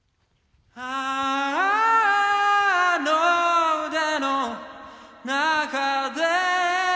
「あの腕の中で」